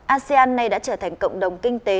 asean nay đã trở thành cộng đồng kinh tế